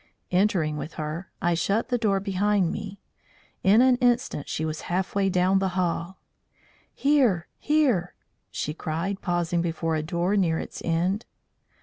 Entering with her, I shut the door behind me. In an instant she was half way down the hall. "Here! here!" she cried, pausing before a door near its end.